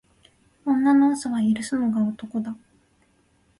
女の嘘は許すのが男だ。